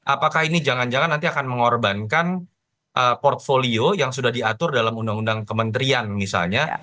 apakah ini jangan jangan nanti akan mengorbankan portfolio yang sudah diatur dalam undang undang kementerian misalnya